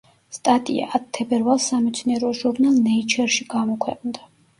სტატია ათ თებერვალს სამეცნიერო ჟურნალ „ნეიჩერში“ გამოქვეყნდა.